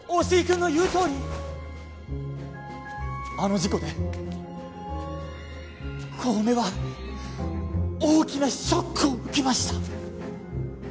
君の言うとおりあの事故で小梅は大きなショックを受けました